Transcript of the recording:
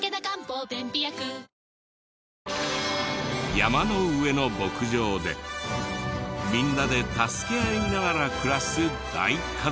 山の上の牧場でみんなで助け合いながら暮らす大家族。